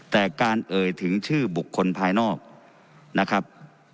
แต่การเอ่ยถึงชื่อบุคคลภายนอกนะครับ